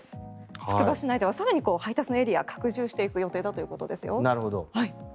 つくば市内では更に配達のエリアを拡充していくそうですよ。